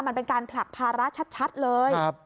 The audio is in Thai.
มันเป็นการผลักภาระชัดเลย